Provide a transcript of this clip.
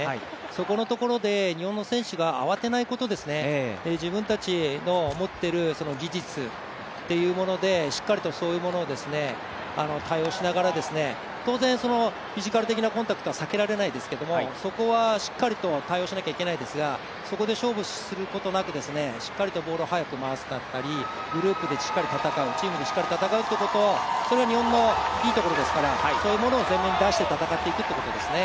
そこのところで日本の選手が慌てないことですね、自分たちの持っている技術というものでしっかりとそういうものを対応しながら、当然フィジカル的なコンタクトは避けられないですけど、そこはしっかりと対応しなければいけないですがそこで勝負することなくしっかりとボールを早く回すだったり、グループでしっかり戦うチームでしっかり戦うということ、そこは日本のいいところですからそういうところを全面に出して戦っていくと言うことですね。